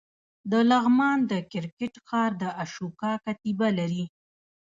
د لغمان د کرکټ ښار د اشوکا کتیبه لري